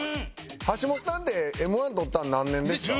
橋本さんってＭ−１とったの何年ですか？